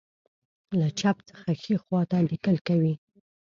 له چپ څخه ښی خواته لیکل کوي.